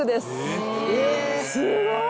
すごい。